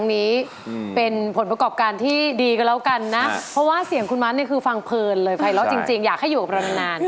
คุณมัตตย์น่ะเพราะว่าเสียงคุณมัสคือฟังเพลินเลยใครเล่าจริงอยากให้อยู่กับเรานาน